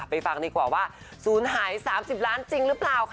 ฟังดีกว่าว่าศูนย์หาย๓๐ล้านจริงหรือเปล่าค่ะ